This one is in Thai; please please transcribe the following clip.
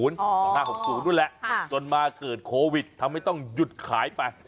๒๕๖๐นั่นแหละจนมาเกิดโควิดทำให้ต้องหยุดขายไป